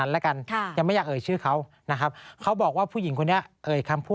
แล้วก็ยื่นให้ตำรวจคุย